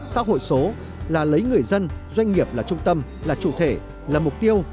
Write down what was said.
xã hội số là lấy người dân doanh nghiệp là trung tâm là chủ thể là mục tiêu